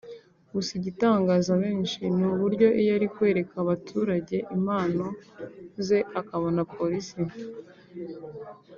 Gusa igitangaza benshi ni uburyo iyo ari kwereka abaturage impano ze akabona polisi